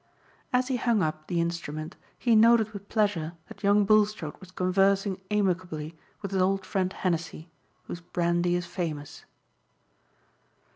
As he hung up the instrument he noted with pleasure that young Bulstrode was conversing amicably with his old friend Henessey, whose brandy is famous.